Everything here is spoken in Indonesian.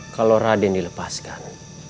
kalau raden dilepaskan